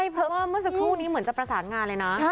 เพราะว่าเมื่อสักครู่นี้เหมือนจะประสานงานเลยนะ